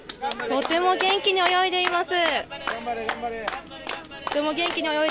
とても元気に泳いでいます！